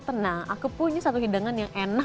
tenang aku punya satu hidangan yang enak